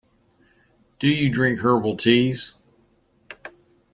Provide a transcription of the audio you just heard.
Do you drink herbal teas?